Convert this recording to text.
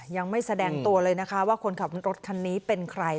ยังไม่แสดงตัวเลยนะคะว่าคนขับรถคันนี้เป็นใคร